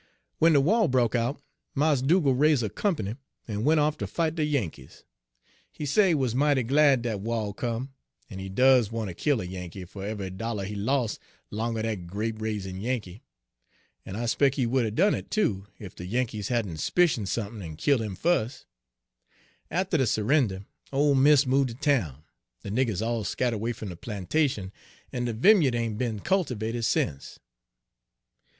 "W'en de wah broke out, Mars Dugal' raise' a comp'ny, en went off ter fight de Yankees. He say he wuz mighty glad dat wah come, en he des want ter kill a Yankee fer eve'y dollar he los' 'long er dat grape raisin' Yankee. Page 33 En I 'spec' he would 'a' done it, too, ef de Yankees hadn' s'picioned sump'n en killed him fus'. Atter de s'render ole miss move' ter town, de niggers all scattered 'way fum de plantation, en de vimya'd ain' be'n cultervated sence."